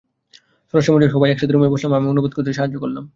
স্বরাষ্ট্রমন্ত্রী এলেন, সবাই একসাথে রুমে বসলাম আমি অনুবাদ করতে সাহায্য করলাম।